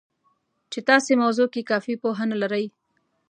چې تاسې موضوع کې کافي پوهه نه لرئ